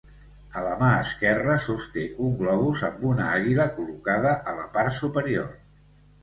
A la mà esquerra sosté un globus amb una àguila col·locada a la part superior.